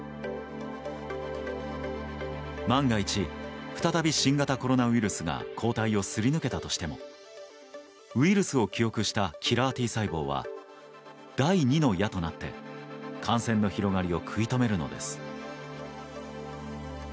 万が一再び新型コロナウイルスが抗体をすり抜けたとしてもウイルスを記憶したキラーＴ細胞は第２の矢となって感染の広がりを食い止めるのです。